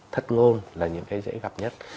thất ngôn là những cái dễ gặp nhất